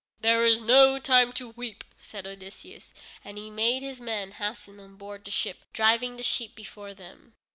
"There is no time to weep," said Odysseus, and he made his men hasten on board the ship, driving the sheep before them.